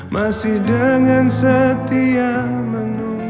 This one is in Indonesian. masih dengan setia menunggu